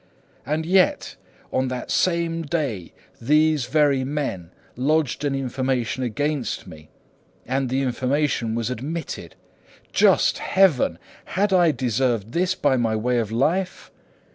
And yet on that same day these very men lodged an information against me, and the information was admitted. Just Heaven! had I deserved this by my way of life?